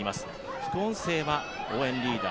副音声は応援リーダー